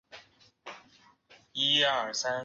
早年就读于于上海美术专科学校。